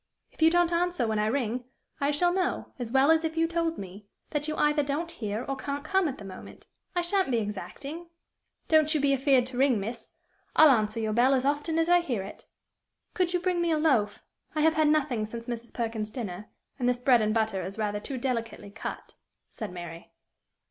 "If you don't answer when I ring, I shall know, as well as if you told me, that you either don't hear or can't come at the moment. I sha'n't be exacting." "Don't you be afeared to ring, miss; I'll answer your bell as often as I hear it." "Could you bring me a loaf? I have had nothing since Mrs. Perkin's dinner; and this bread and butter is rather too delicately cut," said Mary.